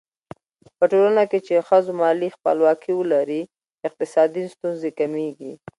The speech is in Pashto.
په ټولنه کې چې ښځو مالي خپلواکي ولري، اقتصادي ستونزې کمېږي.